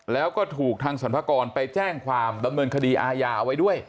แล้วก็ถูกทางสรรพากรไปแจ้งความดำเนินคดีอาญาเอาไว้ด้วย